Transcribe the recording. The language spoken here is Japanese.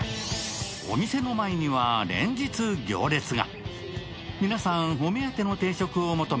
お店の前には連日行列が。